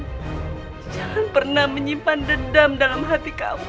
jangan pernah menyimpan dedam dalam hati kamu